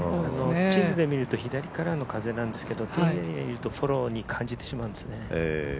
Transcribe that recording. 地図で見ると左からの風なんですけどティーイングエリアにいるとフォローに感じてしまうんですね。